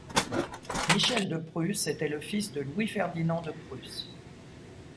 Michel de Prusse était le fils de Louis-Ferdinand de Prusse.